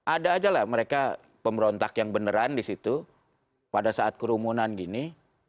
ada aja lah mereka pemberontak yang beneran di situ pada saat kerumunan gini